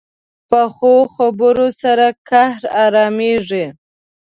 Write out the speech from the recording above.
پخو خبرو سره قهر ارامېږي